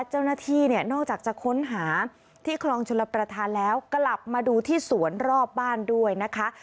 เจ้าหน้าที่เนี่ยนอกจากจะค้นหาที่คลองชลประธานแล้วกลับมาดูที่สวนรอบบ้านด้วยนะคะ